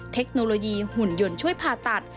เทคโนโลยีหุ่นยนต์ช่วยผ่าตัด